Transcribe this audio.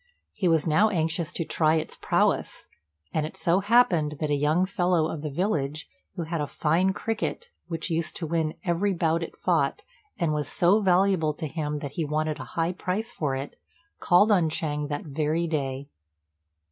He was now anxious to try its prowess; and it so happened that a young fellow of the village, who had a fine cricket which used to win every bout it fought, and was so valuable to him that he wanted a high price for it, called on Ch'êng that very day.